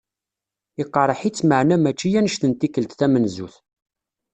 Iqreḥ-itt, maɛna mačči anect n tikelt tamenzut.